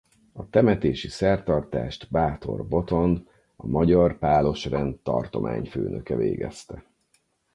A temetési szertartást Bátor Botond a Magyar Pálos rend tartományfőnöke végezte.